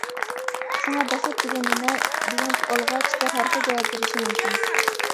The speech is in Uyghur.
شۇڭا،‹‹ بەخت دېگەن نېمە؟›› دېگەن سوئالغا كىشىلەر ھەر خىل جاۋاب بېرىشى مۇمكىن.